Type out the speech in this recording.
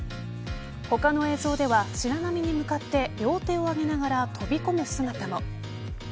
他の映像では白波に向かって両手を上げながら飛び込む姿も。